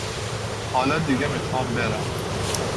حالا دیگه میخوام برم.